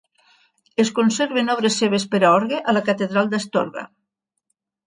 Es conserven obres seves per a orgue a la catedral d'Astorga.